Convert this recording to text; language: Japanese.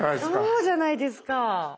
そうじゃないですか。